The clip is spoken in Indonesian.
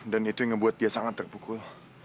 dan itu yang ngebuat dia sangat terpukul